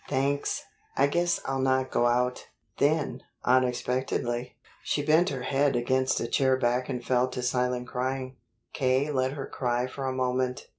"Thanks; I guess I'll not go out." Then, unexpectedly, she bent her head against a chair back and fell to silent crying. K. let her cry for a moment.